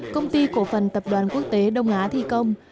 công ty cổ phần tập đoàn quốc tế đông á thi công